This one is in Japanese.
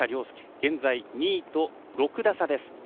現在２位と６打差です。